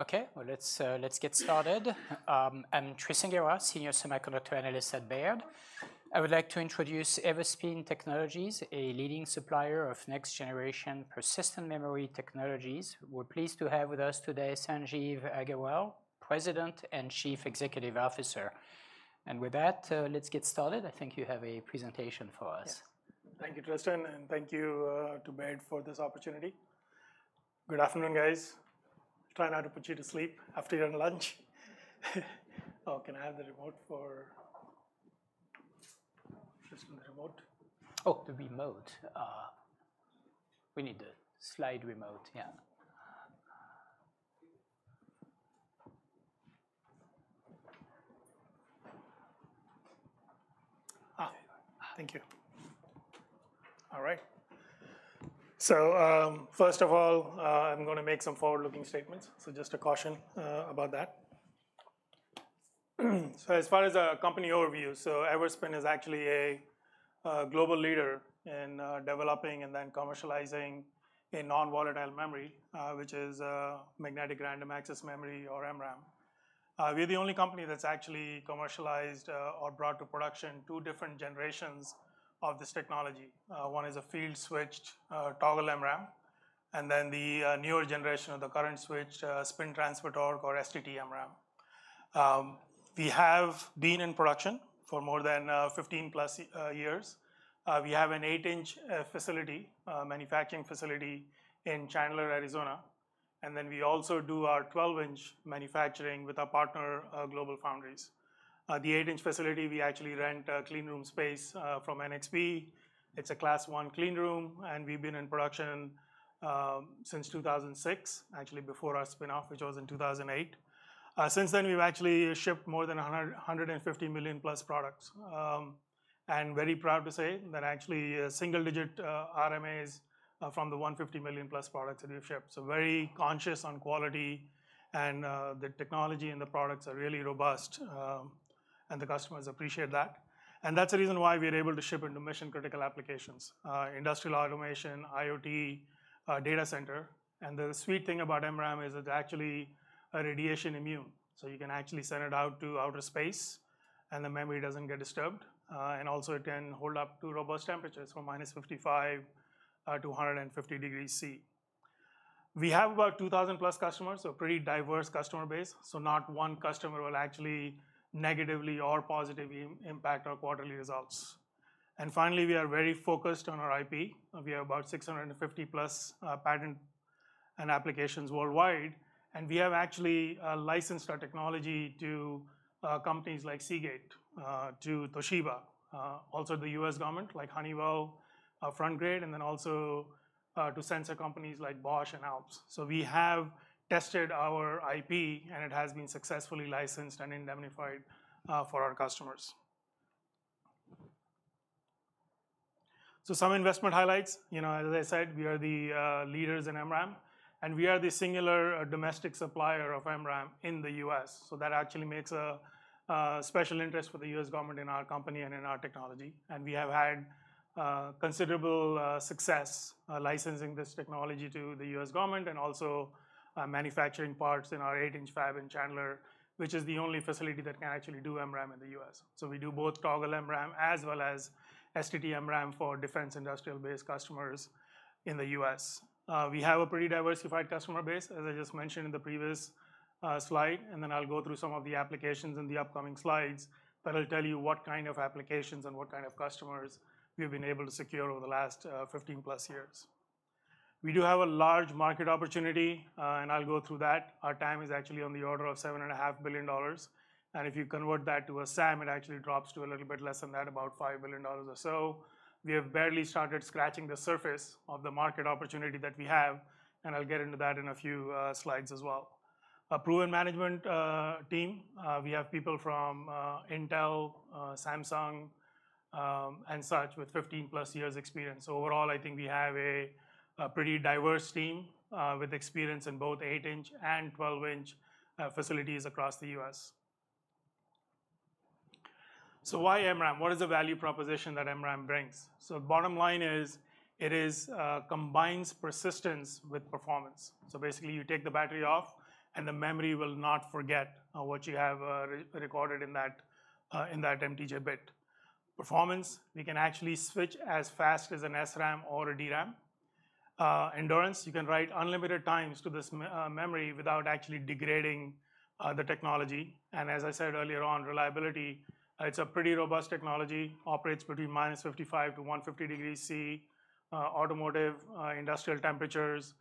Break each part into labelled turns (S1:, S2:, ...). S1: Okay, well let's, let's get started. I'm Tristan Gerra, senior semiconductor analyst at Baird. I would like to introduce Everspin Technologies, a leading supplier of next generation persistent memory technologies. We're pleased to have with us today, Sanjeev Aggarwal, President and Chief Executive Officer. And with that, let's get started. I think you have a presentation for us.
S2: Yeah. Thank you, Tristan, and thank you to Baird for this opportunity. Good afternoon, guys. Try not to put you to sleep after your lunch. Can I have the remote for... Tristan, the remote?
S1: Oh, the remote. We need the slide remote, yeah.
S2: Ah, thank you. All right. So, first of all, I'm gonna make some forward-looking statements, so just a caution about that. So as far as our company overview, Everspin is actually a global leader in developing and commercializing a non-volatile memory, which is magnetic random access memory or MRAM. We're the only company that's actually commercialized or brought to production two different generations of this technology. One is a field-switched Toggle MRAM, and then the newer generation of the current switch spin-transfer torque or STT-MRAM. We have been in production for more than 15+ years. We have an 8-inch manufacturing facility in Chandler, Arizona, and then we also do our 12-inch manufacturing with our partner GlobalFoundries. The 8-inch facility, we actually rent a clean room space from NXP. It's a Class one clean room, and we've been in production since 2006, actually before our spin-off, which was in 2008. Since then, we've actually shipped more than 150 million-plus products. And very proud to say that actually, a single-digit RMAs from the 150 million-plus products that we've shipped. So very conscious on quality and the technology and the products are really robust, and the customers appreciate that. And that's the reason why we're able to ship into mission-critical applications, industrial automation, IoT, data center. And the sweet thing about MRAM is it's actually radiation immune. So you can actually send it out to outer space, and the memory doesn't get disturbed. Also, it can hold up to robust temperatures from -55 to 150 degrees Celsius. We have about 2,000+ customers, so a pretty diverse customer base. So not one customer will actually negatively or positively impact our quarterly results. And finally, we are very focused on our IP. We have about 650+, patent and applications worldwide, and we have actually licensed our technology to companies like Seagate, to Toshiba, also the US government, like Honeywell, Frontgrade, and then also to sensor companies like Bosch and Alps. So we have tested our IP, and it has been successfully licensed and indemnified for our customers. So some investment highlights. You know, as I said, we are the leaders in MRAM, and we are the singular domestic supplier of MRAM in the US. So that actually makes a special interest for the U.S. government in our company and in our technology. And we have had considerable success licensing this technology to the U.S. government and also manufacturing parts in our eight-inch fab in Chandler, which is the only facility that can actually do MRAM in the U.S. So we do both Toggle MRAM, as well as STT-MRAM for defense industrial-based customers in the U.S. We have a pretty diversified customer base, as I just mentioned in the previous slide, and then I'll go through some of the applications in the upcoming slides that will tell you what kind of applications and what kind of customers we've been able to secure over the last 15-plus years. We do have a large market opportunity, and I'll go through that. Our TAM is actually on the order of $7.5 billion, and if you convert that to a SAM, it actually drops to a little bit less than that, about $5 billion or so. We have barely started scratching the surface of the market opportunity that we have, and I'll get into that in a few, slides as well. A proven management, team, we have people from, Intel, Samsung, and such, with 15+ years' experience. So overall, I think we have a, a pretty diverse team, with experience in both 8-inch and 12-inch, facilities across the U.S. So why MRAM? What is the value proposition that MRAM brings? So bottom line is, it is, combines persistence with performance. So basically, you take the battery off, and the memory will not forget what you have re-recorded in that MTJ bit. Performance, we can actually switch as fast as an SRAM or a DRAM. Endurance, you can write unlimited times to this memory without actually degrading the technology. And as I said earlier on, reliability, it's a pretty robust technology, operates between -55-150 degrees Celsius, automotive, industrial temperatures,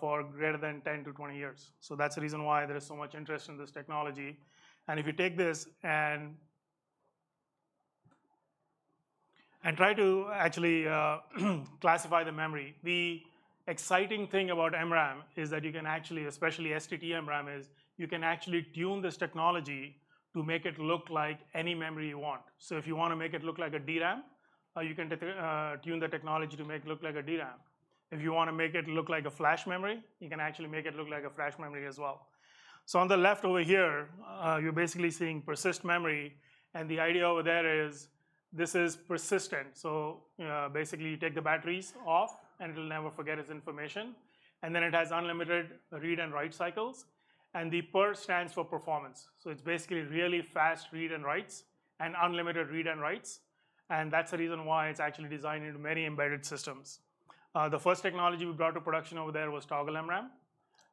S2: for greater than 10-20 years. So that's the reason why there is so much interest in this technology. And if you take this and try to actually classify the memory, the exciting thing about MRAM is that you can actually, especially STT-MRAM, is you can actually tune this technology to make it look like any memory you want. So if you wanna make it look like a DRAM, you can tune the technology to make it look like a DRAM. If you wanna make it look like a flash memory, you can actually make it look like a flash memory as well. So on the left over here, you're basically seeing PERSYST memory, and the idea over there is this is persistent, so basically you take the batteries off, and it'll never forget its information. And then it has unlimited read and write cycles, and the PERSYST stands for performance. So it's basically really fast read and writes, and unlimited read and writes, and that's the reason why it's actually designed into many embedded systems. The first technology we brought to production over there was Toggle MRAM.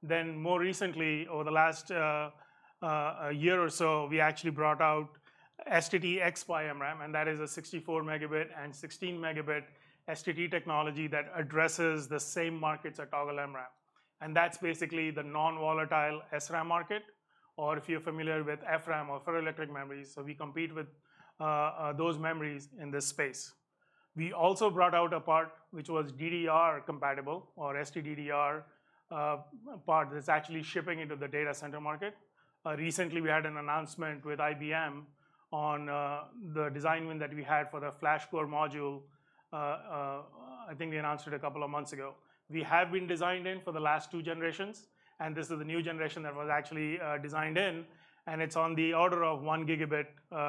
S2: Then more recently, over the last a year or so, we actually brought out STT-MRAM, and that is a 64 megabit and 16 megabit STT technology that addresses the same markets as Toggle MRAM. And that's basically the non-volatile SRAM market, or if you're familiar with FRAM or ferroelectric memories. So we compete with those memories in this space. We also brought out a part which was DDR compatible or STT-DDR part that's actually shipping into the data center market. Recently, we had an announcement with IBM on the design win that we had for the FlashCore Module. I think we announced it a couple of months ago. We have been designed in for the last two generations, and this is the new generation that was actually designed in, and it's on the order of one gigabit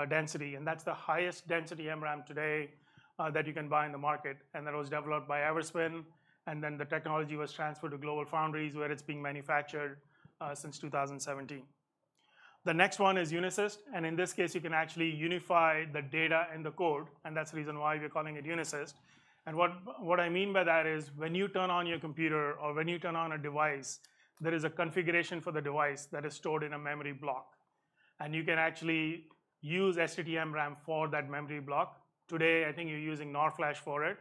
S2: density. And that's the highest density MRAM today that you can buy in the market, and that was developed by Everspin, and then the technology was transferred to GlobalFoundries, where it's being manufactured since 2017. The next one is UNISYST, and in this case, you can actually unify the data and the code, and that's the reason why we're calling it UNISYST. And what I mean by that is when you turn on your computer or when you turn on a device, there is a configuration for the device that is stored in a memory block, and you can actually use STT-MRAM for that memory block. Today, I think you're using NOR Flash for it,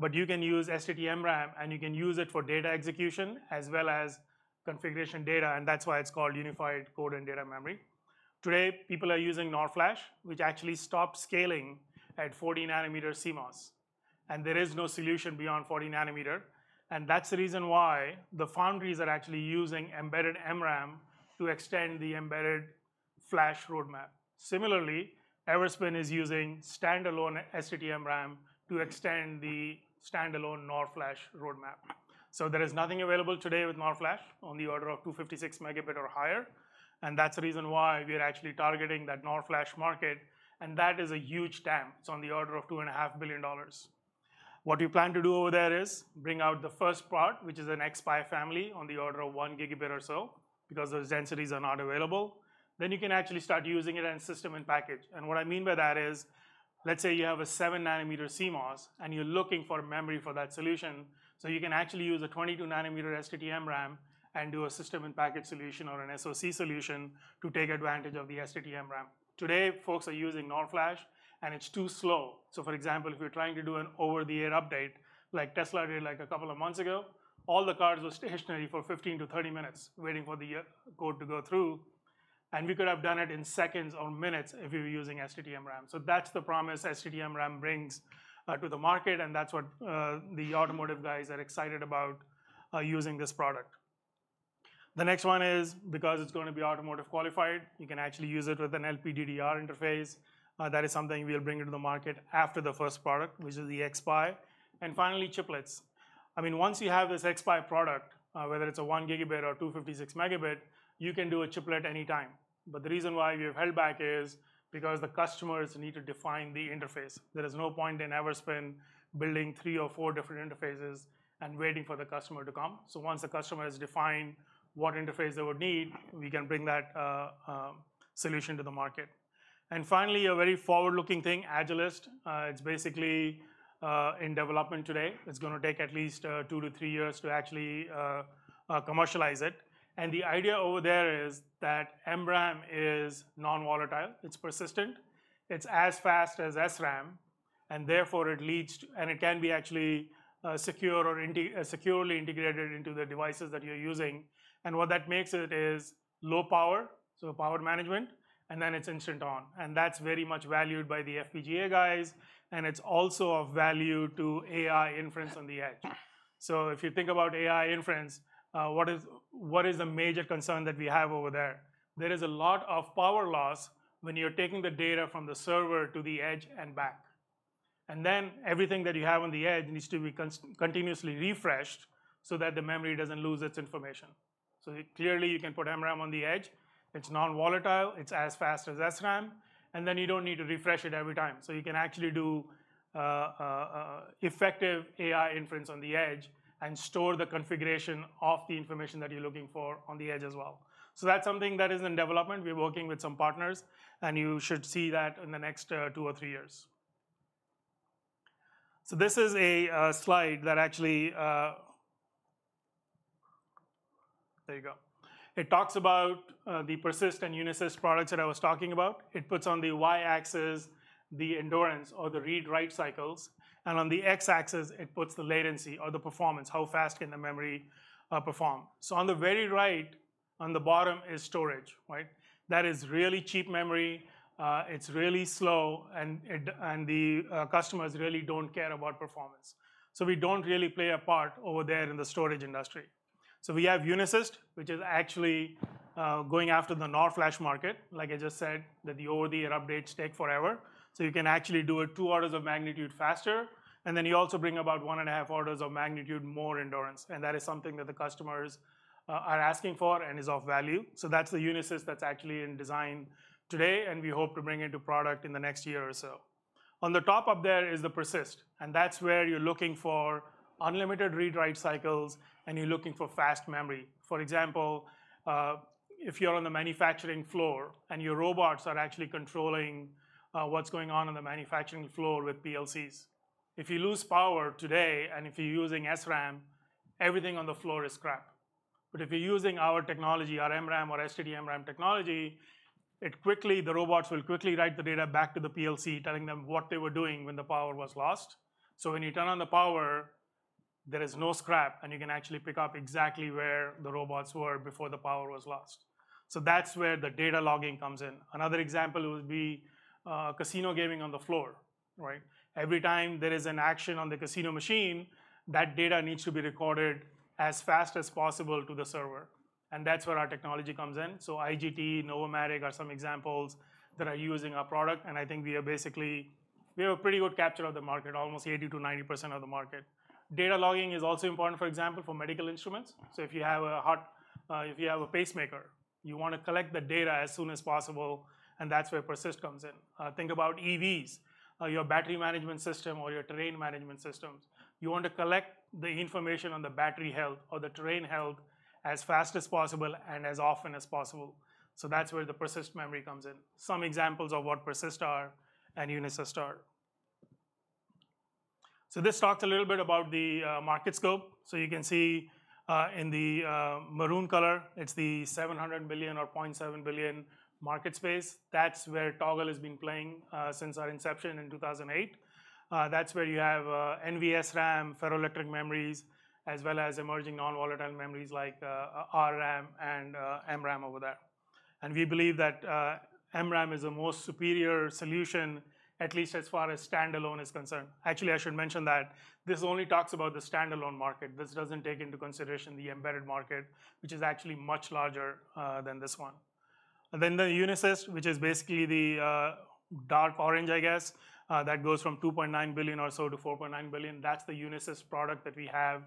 S2: but you can use STT-MRAM, and you can use it for data execution as well as configuration data, and that's why it's called unified code and data memory. Today, people are using NOR Flash, which actually stops scaling at 40 nanometer CMOS, and there is no solution beyond 40 nanometer. That's the reason why the foundries are actually using embedded MRAM to extend the embedded flash roadmap. Similarly, Everspin is using standalone STT-MRAM to extend the standalone NOR Flash roadmap. There is nothing available today with NOR Flash on the order of 256 megabit or higher, and that's the reason why we are actually targeting that NOR Flash market, and that is a huge TAM. It's on the order of $2.5 billion. What we plan to do over there is bring out the first part, which is an xSPI family on the order of 1 gigabit or so, because those densities are not available. Then you can actually start using it in system-in-package. And what I mean by that is, let's say you have a 7-nanometer CMOS, and you're looking for memory for that solution. So you can actually use a 22-nanometer STT-MRAM and do a system-in-package solution or an SoC solution to take advantage of the STT-MRAM. Today, folks are using NOR flash, and it's too slow. So, for example, if you're trying to do an over-the-air update, like Tesla did, like a couple of months ago, all the cars were stationary for 15-30 minutes, waiting for the code to go through, and we could have done it in seconds or minutes if we were using STT-MRAM. So that's the promise STT-MRAM brings to the market, and that's what the automotive guys are excited about using this product. The next one is because it's gonna be automotive qualified, you can actually use it with an LPDDR interface. That is something we'll bring into the market after the first product, which is the xSPI, and finally, chiplets. I mean, once you have this xSPI product, whether it's a 1 gigabit or 256 megabit, you can do a chiplet anytime. But the reason why we've held back is because the customers need to define the interface. There is no point in Everspin building three or four different interfaces and waiting for the customer to come. So once the customer has defined what interface they would need, we can bring that solution to the market. And finally, a very forward-looking thing, AGILYST. It's basically in development today. It's gonna take at least 2-3 years to actually commercialize it. And the idea over there is that MRAM is non-volatile, it's persistent, it's as fast as SRAM, and therefore, it leads to, and it can be actually securely integrated into the devices that you're using. What that makes it is low power, so power management, and then it's instant on, and that's very much valued by the FPGA guys, and it's also of value to AI inference on the edge. So if you think about AI inference, what is, what is the major concern that we have over there? There is a lot of power loss when you're taking the data from the server to the edge and back. Then everything that you have on the edge needs to be continuously refreshed, so that the memory doesn't lose its information. So clearly, you can put MRAM on the edge. It's non-volatile, it's as fast as SRAM, and then you don't need to refresh it every time. So you can actually do effective AI inference on the edge and store the configuration of the information that you're looking for on the edge as well. So that's something that is in development. We're working with some partners, and you should see that in the next two or three years. So this is a slide that actually... There you go. It talks about the persistent UNISYST products that I was talking about. It puts on the y-axis the endurance or the read/write cycles, and on the x-axis it puts the latency or the performance, how fast can the memory perform? So on the very right, on the bottom is storage, right? That is really cheap memory, it's really slow, and the customers really don't care about performance. So we don't really play a part over there in the storage industry. So we have UNISYST, which is actually going after the NOR flash market. Like I just said, that the over-the-air updates take forever. So you can actually do it two orders of magnitude faster, and then you also bring about one and a half orders of magnitude more endurance, and that is something that the customers are asking for and is of value. So that's the UNISYST that's actually in design today, and we hope to bring it to product in the next year or so. On the top up there is the PERSYST, and that's where you're looking for unlimited read/write cycles, and you're looking for fast memory. For example, if you're on the manufacturing floor, and your robots are actually controlling what's going on on the manufacturing floor with PLCs. If you lose power today, and if you're using SRAM, everything on the floor is scrap. But if you're using our technology, our MRAM or STT-MRAM technology, the robots will quickly write the data back to the PLC, telling them what they were doing when the power was lost. So when you turn on the power, there is no scrap, and you can actually pick up exactly where the robots were before the power was lost. So that's where the data logging comes in. Another example would be casino gaming on the floor, right? Every time there is an action on the casino machine, that data needs to be recorded as fast as possible to the server, and that's where our technology comes in. So IGT, Novomatic are some examples that are using our product, and I think we are basically... We have a pretty good capture of the market, almost 80%-90% of the market. Data logging is also important, for example, for medical instruments. So if you have a pacemaker, you want to collect the data as soon as possible, and that's where PERSYST comes in. Think about EVs, your battery management system or your terrain management systems. You want to collect the information on the battery health or the terrain health as fast as possible and as often as possible. So that's where the PERSYST memory comes in. Some examples of what PERSYST are and UNISYST are. So this talks a little bit about the market scope. So you can see, in the maroon color, it's the $700 billion or $0.7 billion market space. That's where Toggle has been playing, since our inception in 2008. That's where you have, NVSRAM, ferroelectric memories, as well as emerging non-volatile memories like, RRAM and, MRAM over there. And we believe that, MRAM is the most superior solution, at least as far as standalone is concerned. Actually, I should mention that this only talks about the standalone market. This doesn't take into consideration the embedded market, which is actually much larger, than this one. And then the UNISYST, which is basically the, dark orange, I guess, that goes from $2.9 billion or so-$4.9 billion. That's the UNISYST product that we have,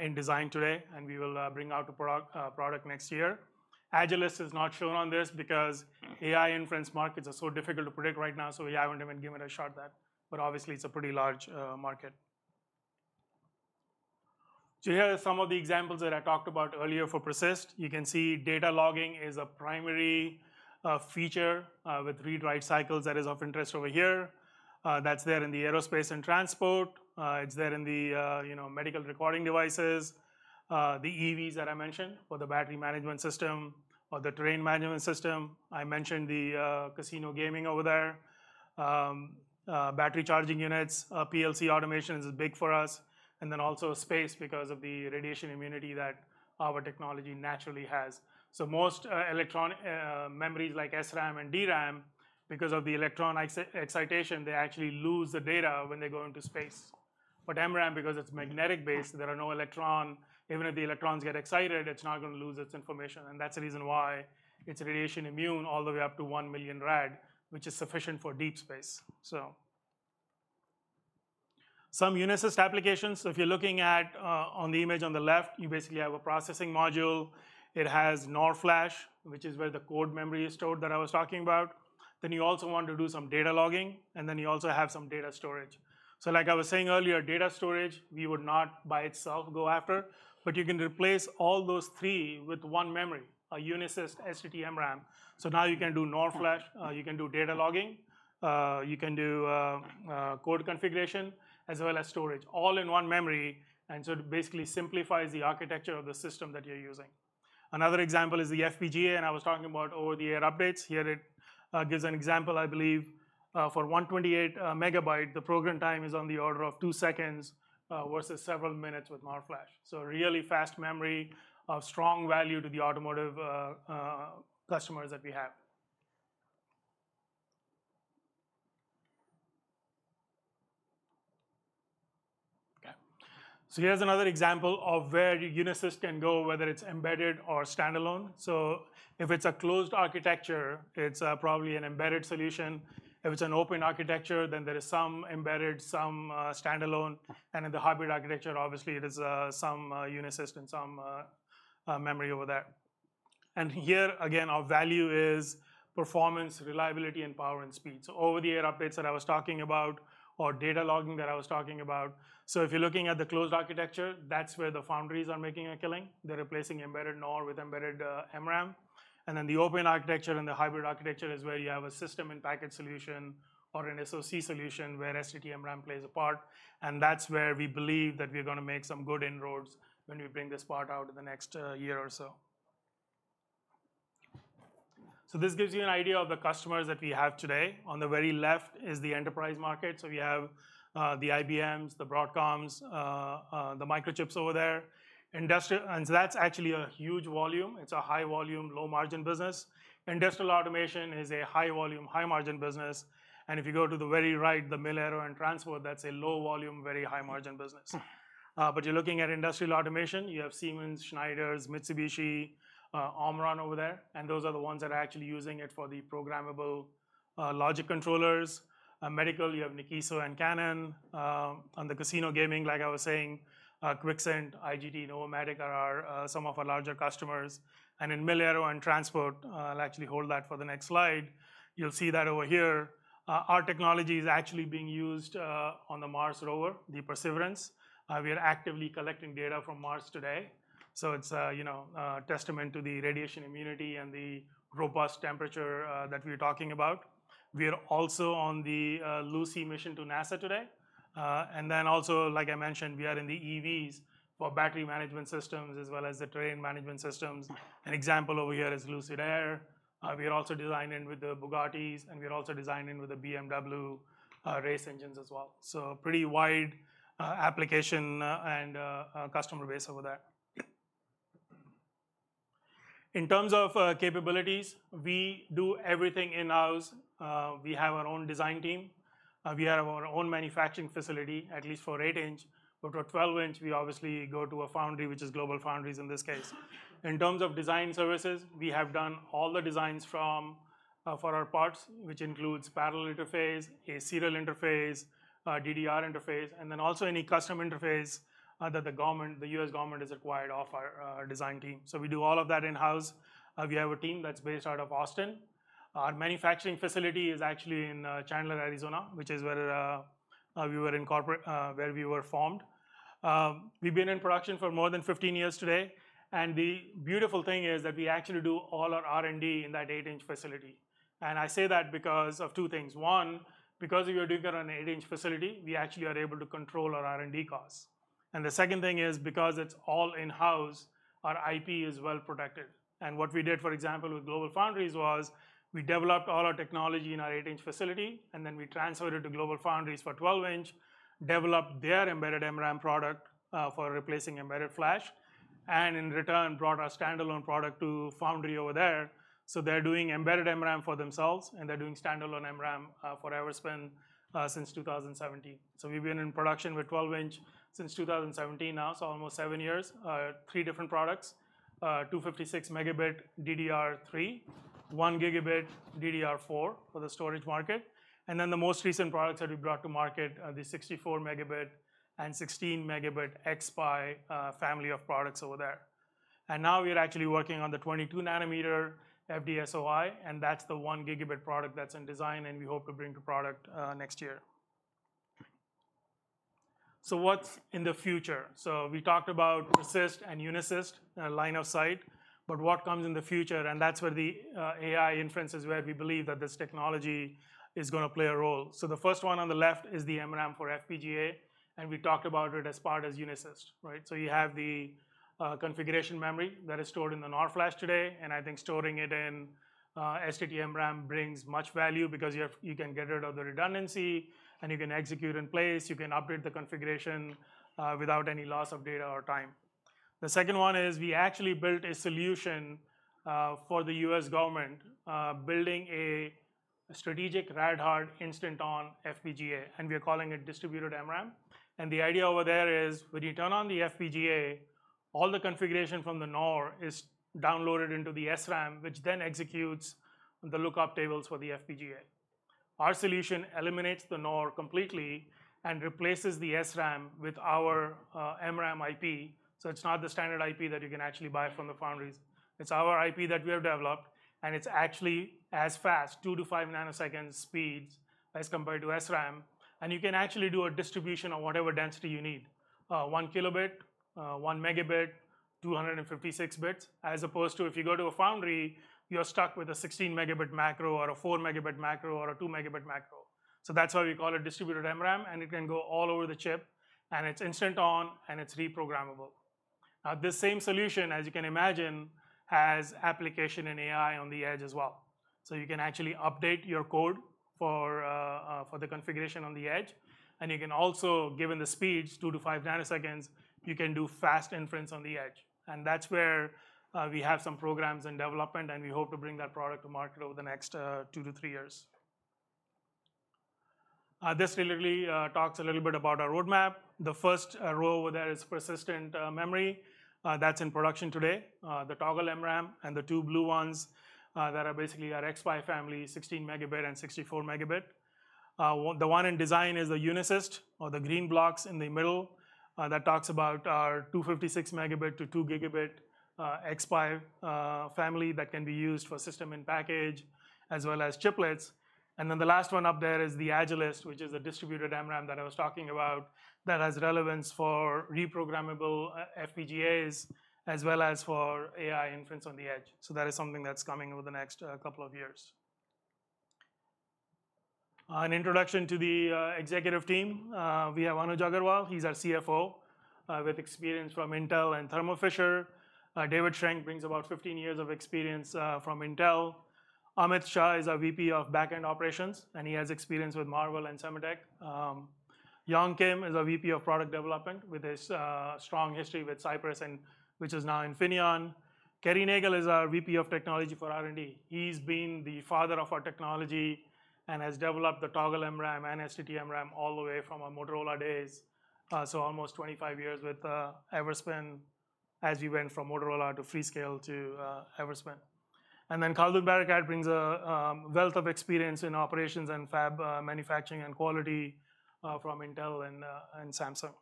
S2: in design today, and we will, bring out a product next year. AGILYST is not shown on this because AI inference markets are so difficult to predict right now, so we haven't even given a shot at that, but obviously, it's a pretty large market. So here are some of the examples that I talked about earlier for PERSYST. You can see data logging is a primary feature with read/write cycles that is of interest over here. That's there in the aerospace and transport. It's there in the, you know, medical recording devices, the EVs that I mentioned for the battery management system or the terrain management system. I mentioned the casino gaming over there. Battery charging units, PLC automation is big for us, and then also space because of the radiation immunity that our technology naturally has. So most electron memories like SRAM and DRAM, because of the electron excitation, they actually lose the data when they go into space. But MRAM, because it's magnetic-based, there are no electron... Even if the electrons get excited, it's not gonna lose its information, and that's the reason why it's radiation immune all the way up to 1 million rad, which is sufficient for deep space. So, some UNISYST applications. So if you're looking at on the image on the left, you basically have a processing module. It has NOR Flash, which is where the code memory is stored that I was talking about. Then you also want to do some data logging, and then you also have some data storage. So like I was saying earlier, data storage, we would not by itself go after, but you can replace all those three with one memory, a UNISYST STT-MRAM. So now you can do NOR flash, you can do data logging, you can do code configuration, as well as storage, all in one memory, and so it basically simplifies the architecture of the system that you're using. Another example is the FPGA, and I was talking about over-the-air updates. Here it gives an example, I believe, for 128 MB, the program time is on the order of 2 seconds versus several minutes with NOR flash. So really fast memory, a strong value to the automotive customers that we have. Okay, so here's another example of where UNISYST can go, whether it's embedded or standalone. So if it's a closed architecture, it's probably an embedded solution. If it's an open architecture, then there is some embedded, some standalone, and in the hybrid architecture, obviously, it is some UNISYST and some memory over there. And here, again, our value is performance, reliability, and power and speed. So over-the-air updates that I was talking about or data logging that I was talking about. So if you're looking at the closed architecture, that's where the foundries are making a killing. They're replacing embedded NOR with embedded MRAM. And then the open architecture and the hybrid architecture is where you have a system and package solution or an SoC solution, where STT-MRAM plays a part, and that's where we believe that we're gonna make some good inroads when we bring this part out in the next year or so. So this gives you an idea of the customers that we have today. On the very left is the enterprise market. So we have, the IBMs, the Broadcoms, the Microchips over there. And so that's actually a huge volume. It's a high-volume, low-margin business. Industrial automation is a high-volume, high-margin business, and if you go to the very right, the mil-aero and transport, that's a low-volume, very high-margin business. But you're looking at industrial automation, you have Siemens, Schneider, Mitsubishi, Omron over there, and those are the ones that are actually using it for the programmable, logic controllers. Medical, you have Nikkiso and Canon. On the casino gaming, like I was saying, Grixis, IGT, Novomatic are some of our larger customers. And in mil-aero and transport, I'll actually hold that for the next slide. You'll see that over here, our technology is actually being used on the Mars rover, the Perseverance. We are actively collecting data from Mars today. So it's, you know, a testament to the radiation immunity and the robust temperature that we're talking about. We are also on the Lucy mission to NASA today. And then also, like I mentioned, we are in the EVs for battery management systems as well as the terrain management systems. An example over here is Lucid Air. We are also designing with the Bugattis, and we are also designing with the BMW race engines as well. So a pretty wide application and customer base over there. In terms of capabilities, we do everything in-house. We have our own design team. We have our own manufacturing facility, at least for eight-inch, but for twelve-inch, we obviously go to a foundry, which is GlobalFoundries in this case. In terms of design services, we have done all the designs from for our parts, which includes parallel interface, a serial interface, a DDR interface, and then also any custom interface that the government, the U.S. government has acquired off our our design team. So we do all of that in-house. We have a team that's based out of Austin. Our manufacturing facility is actually in Chandler, Arizona, which is where we were incorporate where we were formed. We've been in production for more than 15 years today, and the beautiful thing is that we actually do all our R&D in that eight-inch facility. I say that because of two things: one, because we are doing it on an 8-inch facility, we actually are able to control our R&D costs. The second thing is, because it's all in-house, our IP is well protected. What we did, for example, with GlobalFoundries was, we developed all our technology in our 8-inch facility, and then we transferred it to GlobalFoundries for 12-inch, developed their embedded MRAM product for replacing embedded flash, and in return, brought our standalone product to foundry over there. So they're doing embedded MRAM for themselves, and they're doing standalone MRAM for Everspin since 2017. So we've been in production with 12-inch since 2017 now, so almost seven years. Three different products, 256 megabit DDR3, 1 gigabit DDR4 for the storage market, and then the most recent products that we brought to market, the 64 megabit and 16 megabit xSPI family of products over there. And now we are actually working on the 22 nm FDSOI, and that's the 1 gigabit product that's in design, and we hope to bring to product next year. So what's in the future? We talked about PERSYST and UNISYST persistent line of sight, but what comes in the future? And that's where the AI inference is where we believe that this technology is gonna play a role. So the first one on the left is the MRAM for FPGA, and we talked about it as part of UNISYST, right? So you have the configuration memory that is stored in the NOR Flash today, and I think storing it in STT-MRAM brings much value because you can get rid of the redundancy, and you can execute in place, you can upgrade the configuration without any loss of data or time. The second one is, we actually built a solution for the U.S. government building a strategic rad-hard instant-on FPGA, and we are calling it distributed MRAM. And the idea over there is, when you turn on the FPGA, all the configuration from the NOR is downloaded into the SRAM, which then executes the lookup tables for the FPGA. Our solution eliminates the NOR completely and replaces the SRAM with our MRAM IP. So it's not the standard IP that you can actually buy from the foundries. It's our IP that we have developed, and it's actually as fast, 2-5 nanoseconds speeds as compared to SRAM. And you can actually do a distribution on whatever density you need. 1 kilobit, 1 megabit, 256 bits, as opposed to if you go to a foundry, you're stuck with a 16 megabit macro or a 4 megabit macro or a 2 megabit macro. So that's why we call it distributed MRAM, and it can go all over the chip, and it's instant on, and it's reprogrammable. Now, this same solution, as you can imagine, has application in AI on the edge as well. So you can actually update your code for the configuration on the edge, and you can also, given the speeds, 2-5 nanoseconds, you can do fast inference on the edge. And that's where we have some programs in development, and we hope to bring that product to market over the next 2-3 years. This literally talks a little bit about our roadmap. The first row over there is persistent memory. That's in production today. The Toggle MRAM and the two blue ones that are basically our xSPI family, 16-megabit and 64-megabit. One, the one in design is a UNISYST, or the green blocks in the middle, that talks about our 256-megabit to 2-gigabit xSPI family that can be used for system-in-package, as well as chiplets. And then the last one up there is the AGILYST, which is a distributed MRAM that I was talking about, that has relevance for reprogrammable FPGAs, as well as for AI inference on the edge. So that is something that's coming over the next couple of years. An introduction to the executive team. We have Anuj Aggarwal, he's our CFO, with experience from Intel and Thermo Fisher. David Schrenk brings about 15 years of experience from Intel. Amit Shah is our VP of Backend Operations, and he has experience with Marvell and Semtech. Yong Kim is our VP of Product Development, with his strong history with Cypress, which is now Infineon. Kerry Nagel is our VP of Technology for R&D. He's been the father of our technology and has developed the Toggle MRAM and STT-MRAM all the way from our Motorola days. So almost 25 years with Everspin, as we went from Motorola to Freescale to Everspin. And then Khaled Barakat brings a wealth of experience in operations and fab manufacturing and quality from Intel and Samsung.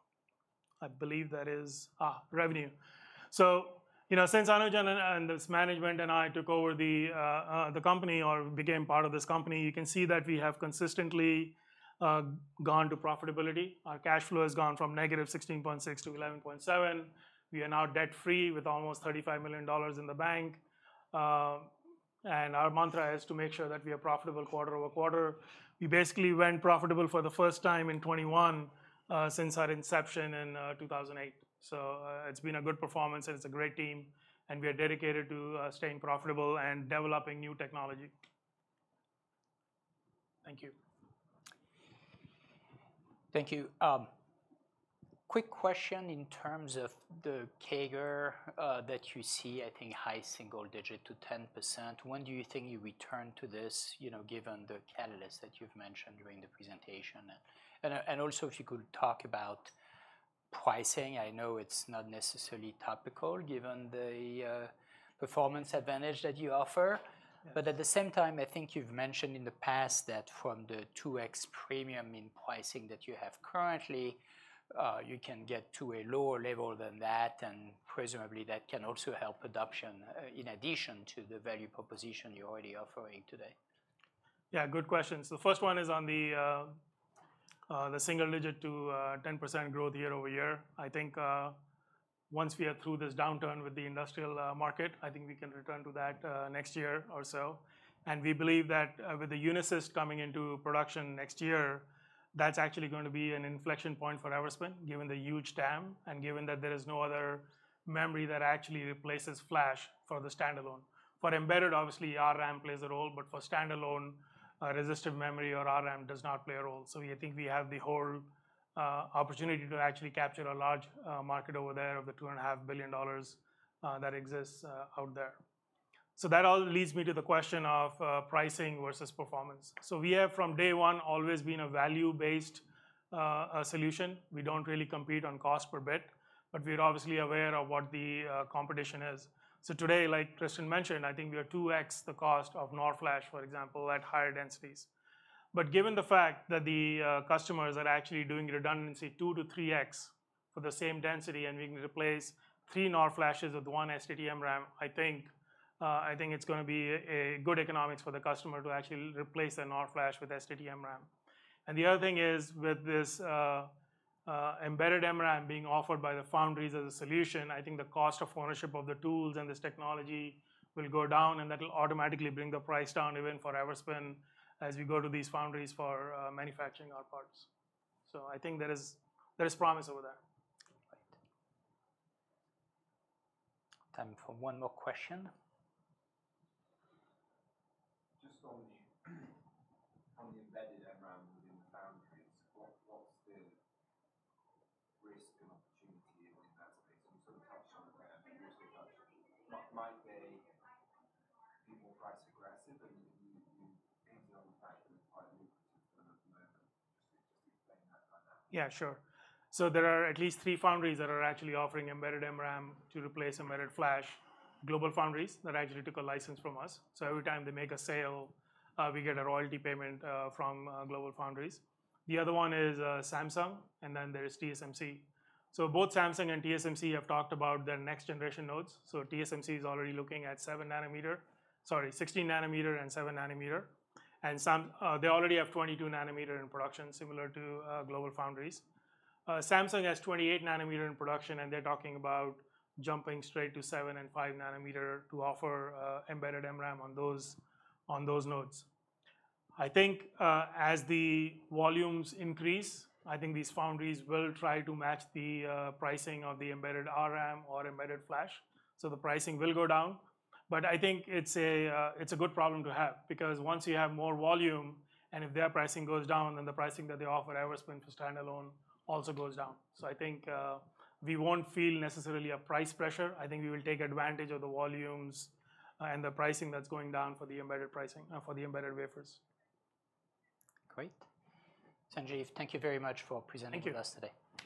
S2: I believe that is revenue. So, you know, since Anuj and this management and I took over the company or became part of this company, you can see that we have consistently gone to profitability. Our cash flow has gone from -$16.6 to $11.7. We are now debt-free with almost $35 million in the bank. And our mantra is to make sure that we are profitable quarter-over-quarter. We basically went profitable for the first time in 2021 since our inception in 2008. So, it's been a good performance, and it's a great team, and we are dedicated to staying profitable and developing new technology. Thank you.
S1: Thank you. Quick question in terms of the CAGR that you see, I think high single digit to 10%. When do you think you return to this, you know, given the catalysts that you've mentioned during the presentation? And also, if you could talk about pricing. I know it's not necessarily topical given the performance advantage that you offer. But at the same time, I think you've mentioned in the past that from the 2x premium in pricing that you have currently, you can get to a lower level than that, and presumably, that can also help adoption in addition to the value proposition you're already offering today.
S2: Yeah, good question. So the first one is on the single-digit to 10% growth year-over-year. I think once we are through this downturn with the industrial market, I think we can return to that next year or so. And we believe that with the UNISYST coming into production next year, that's actually going to be an inflection point for Everspin, given the huge TAM and given that there is no other memory that actually replaces flash for the standalone. For embedded, obviously, DRAM plays a role, but for standalone, resistive memory or DRAM does not play a role. So I think we have the whole opportunity to actually capture a large market over there of the $2.5 billion that exists out there. So that all leads me to the question of pricing versus performance. So we have from day one always been a value-based solution. We don't really compete on cost per bit, but we're obviously aware of what the competition is. So today, like Tristan mentioned, I think we are 2x the cost of NOR Flash, for example, at higher densities. But given the fact that the customers are actually doing redundancy 2-3x for the same density, and we can replace 3 NOR Flash with one STT-MRAM, I think it's gonna be a good economics for the customer to actually replace the NOR Flash with STT-MRAM. The other thing is, with this Embedded MRAM being offered by the foundries as a solution, I think the cost of ownership of the tools and this technology will go down, and that will automatically bring the price down, even for Everspin, as we go to these foundries for manufacturing our parts. So I think there is promise over there.
S1: Right. Time for one more question.
S3: Just on the embedded MRAM within the foundries, what's the risk and opportunity in that space? You sort of touched on that, but might they be more price aggressive, and you touched on the fact that it's quite lucrative for them at the moment. Just explain that right now.
S2: Yeah, sure. So there are at least three foundries that are actually offering embedded MRAM to replace embedded flash. GlobalFoundries, that actually took a license from us, so every time they make a sale, we get a royalty payment from GlobalFoundries. The other one is Samsung, and then there is TSMC. So both Samsung and TSMC have talked about their next generation nodes. So TSMC is already looking at 7-nm, sorry, 16-nm and 7-nm, and they already have 22-nm in production, similar to GlobalFoundries. Samsung has 28-nm in production, and they're talking about jumping straight to 7-nm and 5-nm to offer embedded MRAM on those nodes. I think, as the volumes increase, I think these foundries will try to match the pricing of the embedded RRAM or embedded flash. So the pricing will go down, but I think it's a, it's a good problem to have, because once you have more volume, and if their pricing goes down, then the pricing that they offer Everspin to standalone also goes down. So I think, we won't feel necessarily a price pressure. I think we will take advantage of the volumes, and the pricing that's going down for the embedded pricing, for the embedded wafers.
S1: Great. Sanjeev, thank you very much for presenting to us today.